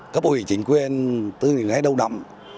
các bộ hủy chính quyền từ ngày đầu năm